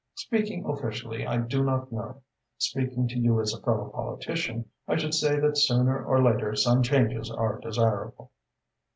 "Speaking officially, I do not know. Speaking to you as a fellow politician, I should say that sooner or later some changes are desirable."